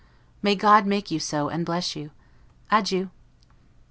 May God make you so, and bless you! Adieu.